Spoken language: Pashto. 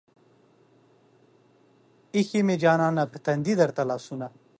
ايښې مې جانانه پۀ تندي درته لاسونه